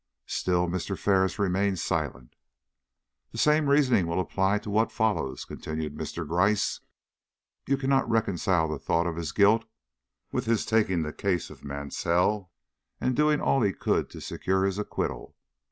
Still Mr. Ferris remained silent. "The same reasoning will apply to what followed," continued Mr. Gryce. "You cannot reconcile the thought of his guilt with his taking the case of Mansell and doing all he could to secure his acquittal.